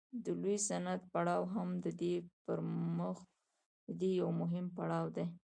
د لوی صنعت پړاو هم د دې یو مهم پړاو دی